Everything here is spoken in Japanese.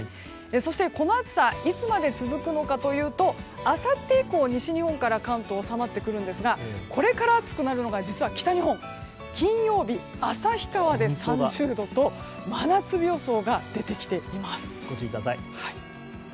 そして、この暑さいつまで続くのかというとあさって以降、西日本から関東は下がってくるんですがこれから暑くなるのが北日本金曜日、旭川で３０度と真夏日予想が出てきています。